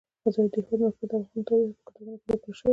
د هېواد مرکز د افغان تاریخ په کتابونو کې ذکر شوی دي.